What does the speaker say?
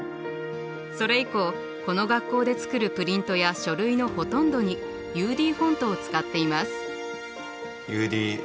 それ以降この学校で作るプリントや書類のほとんどにＵＤフォントを使っています。